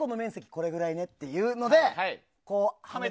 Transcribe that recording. これぐらいねっていうので。